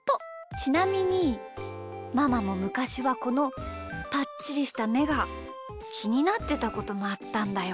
ちなみにママもむかしはこのぱっちりしためがきになってたこともあったんだよ。